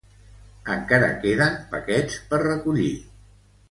Encara queden paquets per recollir